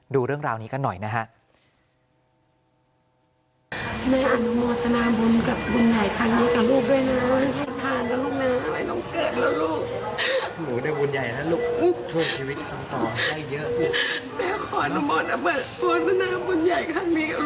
ดูเรื่องราวนี้กันหน่อยนะฮะ